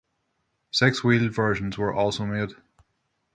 Six wheel versions were also made.